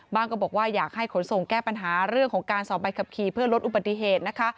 ก็บอกว่าอยากให้ขนส่งแก้ปัญหาเรื่องของการสอบใบขับขี่เพื่อลดอุบัติเหตุนะคะ